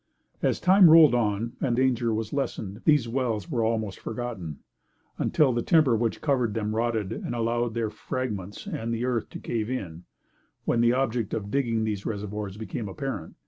As time rolled on, and danger was lessened, these wells were almost forgotten, until the timber which covered them rotted and allowed their fragments and the earth to cave in, when the object of the digging these reservoirs became apparent.